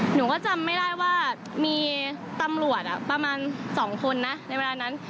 หนูก็จำไม่ได้ว่ามีตำรวจประมาณ๒คนนะในเวลานั้น